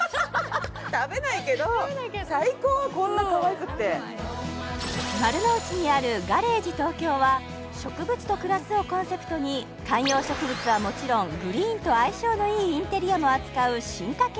食べないけど最高こんなかわいくって丸の内にあるｇａｒａｇｅＴＯＫＹＯは「植物と暮らす」をコンセプトに観葉植物はもちろんグリーンと相性のいいインテリアも扱う進化系